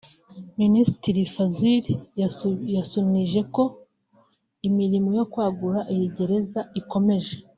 Minisitiri Fazil yasunije ko imirimo yo kwagura iyi gereza ikomeje